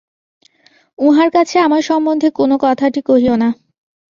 উঁহার কাছে আমার সম্বন্ধে কোনো কথাটি কহিয়ো না।